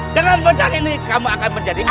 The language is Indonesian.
dengan mecak ini kamu akan menjadi